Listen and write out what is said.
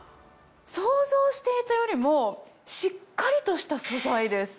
想像していたよりもしっかりとした素材です。